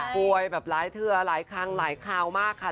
ป่วยแบบหลายเทือหลายครั้งหลายคราวมากค่ะ